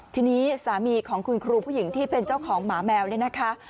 ทีนี้สามีของคุณครูผู้หญิงที่เป็นเจ้าของหมาแมวเนี่ยนะคะ